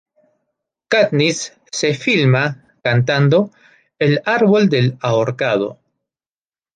Katniss se filma cantando ""El árbol del ahorcado"".